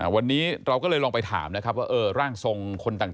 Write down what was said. วันนี้เราก็เลยลองไปถามนะครับว่าร่างทรงคนต่าง